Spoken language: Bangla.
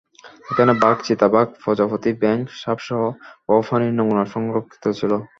এখানে বাঘ, চিতাবাঘ, প্রজাপতি, ব্যাঙ, সাপসহ বহু প্রাণীর নমুনা সংরক্ষিত ছিল।